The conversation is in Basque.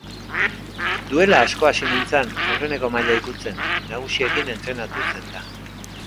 Duela asko hasi nintzen aurreneko maila ikutzen nagusiekin entrenatuz eta.